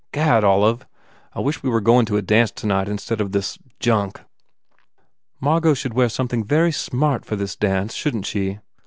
Gad, Olive, I wish we were goin to a dance tonight instead of this junk." "Margot should wear something very smart for this dance, shouldn t she?"